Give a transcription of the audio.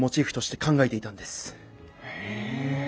へえ。